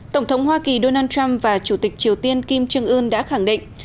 tổng thống hoa kỳ donald trump và chủ tịch triều tiên kim trương ưn đã khẳng định